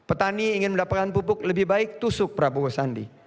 petani ingin mendapatkan pupuk lebih baik tusuk prabowo sandi